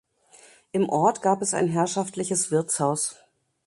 Im Ort gab es ein herrschaftliches Wirtshaus.